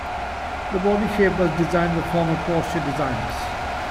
The bodyshape was designed by former Porsche designers.